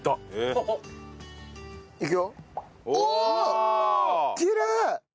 おおきれい！